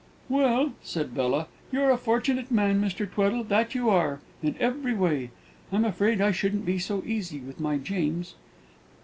"Well," said Bella, "you're a fortunate man, Mr. Tweddle, that you are, in every way. I'm afraid I shouldn't be so easy with my James."